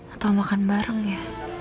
atau makan bareng ya